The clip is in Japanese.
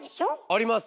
あります！